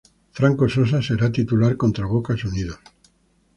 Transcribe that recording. Franco Sosa será de titular contra Boca Unidos.